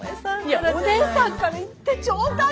いやお姉さんから言ってちょうだい。